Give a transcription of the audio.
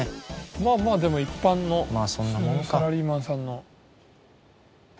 まあまあでも一般の普通のサラリーマンさんの。